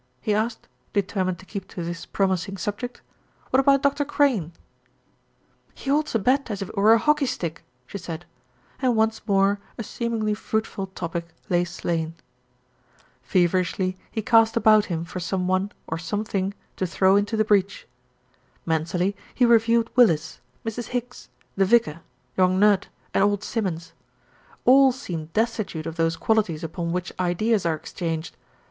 he asked, determined to keep to this promising subject. "What about Dr. Crane?" "He holds a bat as if it were a hockey stick," she said, and once more a seemingly fruitful topic lay slain. Feverishly he cast about him for some one or some thing to throw into the breach. Mentally he reviewed Willis, Mrs. Higgs, the vicar, young Nudd and old Simmons; all seemed destitute of those qualities upon which ideas are exchanged.